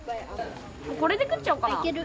これで食っちゃおうかな。